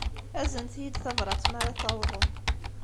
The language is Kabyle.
Aznet-iyi-d tabṛat mi ara tawḍem.